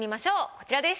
こちらです。